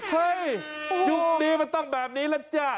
เฮ้ยยุคนี้มันต้องแบบนี้แล้วจ้ะ